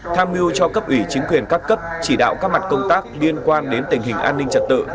tham mưu cho cấp ủy chính quyền các cấp chỉ đạo các mặt công tác liên quan đến tình hình an ninh trật tự